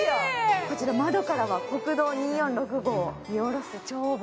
こちら窓からは国道２４６号を見下ろす眺望。